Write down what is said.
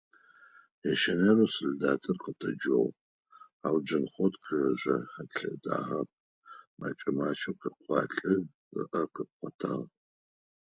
Ящэнэрэу солдатыр къэтэджыжьыгъ, ау Джанхъот къыжэхэлъэдагъэп, мэкӀэ-макӀэу къекӀуалӀи, ыӀэ къыпхъотагъ.